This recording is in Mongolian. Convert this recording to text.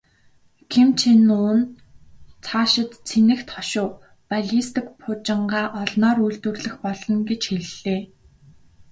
Ким Чен Ун цаашид цэнэгт хошуу, баллистик пуужингаа олноор үйлдвэрлэх болно гэж хэллээ.